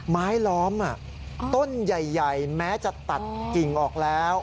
ไม้ล้อมต้นใหญ่แม้จะตัดกิ่งออกแล้ว